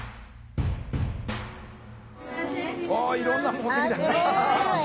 おいろんなの持ってきた。